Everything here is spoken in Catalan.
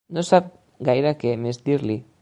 No sap gaire què més dir-li.